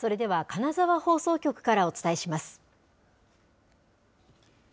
金沢からお伝えします。